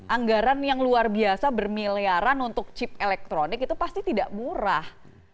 anggaran yang luar biasa bermiliaran untuk chip elektronik itu pasti tidak murah